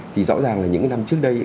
thì rõ ràng là những năm trước đây